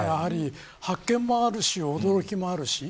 発見もあるし、驚きもあるし。